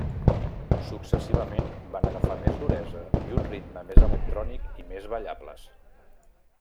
Successivament van agafar més duresa i un ritme més electrònic i més ballables.